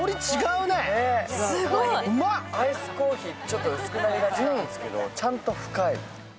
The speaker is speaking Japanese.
アイスコーヒー、ちょっと薄くなりがちなんですけどちゃんと深い。